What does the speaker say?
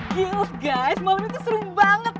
gila guys malam ini tuh seru banget